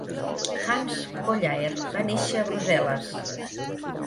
Hans Collaert va néixer a Brusel·les.